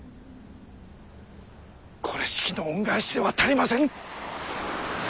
これしきの恩返しでは足りませぬ！